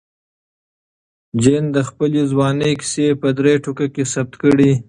جین د خپلې ځوانۍ کیسې په درې ټوکه کې ثبت کړې.